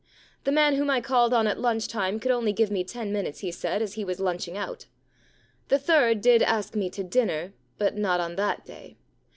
The man whom I called on at lunch time could only give me ten minutes, he said, as he was lunch ing out. The third did ask me to dinner, but not on that day.